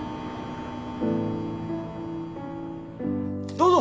どうぞ！